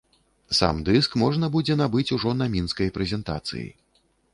Сам дыск можна будзе набыць ужо на мінскай прэзентацыі.